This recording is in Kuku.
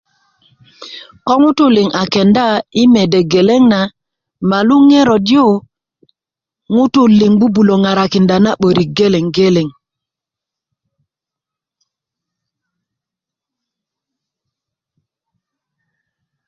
ko ŋutu liŋ a kenda i mede geleŋ na malu yu ŋero yu ŋutu liŋ bubulö ŋarakinda na 'börik geleŋ